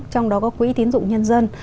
trong đó có quỹ tiến dụng nhân dân